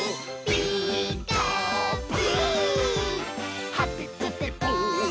「ピーカーブ！」